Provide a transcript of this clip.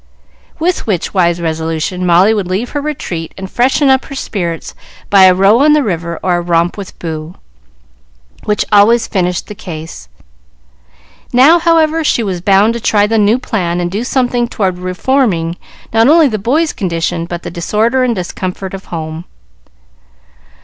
With which wise resolution, Molly would leave her retreat and freshen up her spirits by a row on the river or a romp with Boo, which always finished the case. Now, however, she was bound to try the new plan and do something toward reforming not only the boy's condition, but the disorder and discomfort of home.